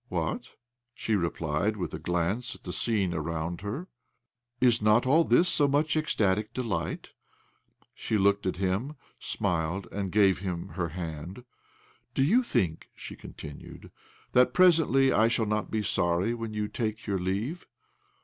" What ?" she replied with a glance at the scene around her. " Is not all this so much ecstatic delight ?" She looked at him, smiled, and gave him her hand. "Do you 1 82 OBLOMOV think," she continued, " that presently I shall not be sorry when you take your leave